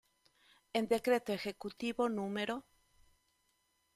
En decreto ejecutivo No.